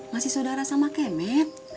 masih saudara sama kemet